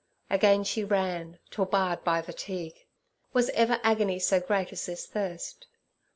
Again she ran, till barred by fatigue. Was ever agony so great as this thirst?